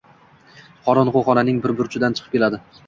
Qorong‘i xonaning bir burchidan chiqib keladi.